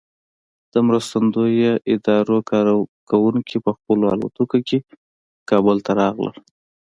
د مرستندویه ادارو کارکوونکي په خپلو الوتکو کې کابل ته راغلل.